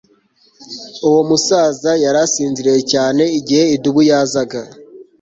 Uwo musaza yari asinziriye cyane igihe idubu yazaga